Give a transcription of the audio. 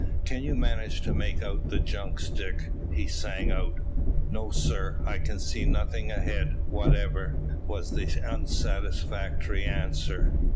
"Can you manage to make out the junks, Dick?" he sang out. "No, sir, I can see nothing ahead whatever," was the unsatisfactory answer.